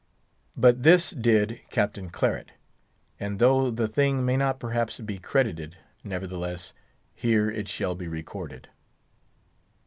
But this did Captain Claret; and though the thing may not perhaps be credited, nevertheless, here it shall be recorded.